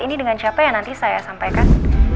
ini dengan siapa yang nanti saya sampaikan